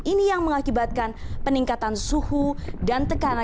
ini yang mengakibatkan peningkatan suhu dan tekanan